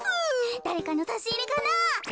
だれかのさしいれかな。